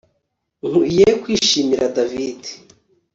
Nkwiye kwishimira David